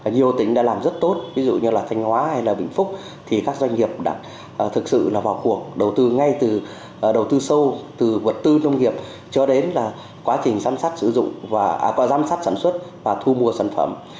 nhiều tỉnh đã làm rất tốt ví dụ như là thanh hóa hay là vĩnh phúc thì các doanh nghiệp đã thực sự là vào cuộc đầu tư ngay từ đầu tư sâu từ vật tư nông nghiệp cho đến là quá trình giám sát sản xuất và thu mua sản phẩm